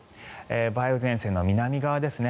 梅雨前線の南側ですね。